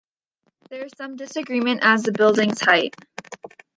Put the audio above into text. There is some disagreement as to the building's height.